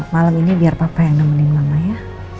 malam ini biar papa yang nemenin mama ya